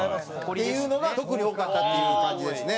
っていうのが特に多かったっていう感じですね。